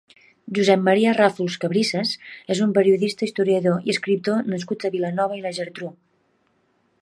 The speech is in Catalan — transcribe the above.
Josep Maria Ràfols Cabrisses és un periodista, historiador i escriptor nascut a Vilanova i la Geltrú.